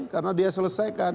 karena dia selesaikan